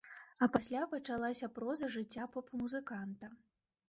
А пасля пачалася проза жыцця поп-музыканта.